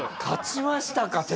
勝ちましたか！